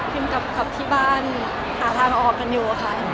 กลับที่บ้านหาทางออกกันอยู่ค่ะ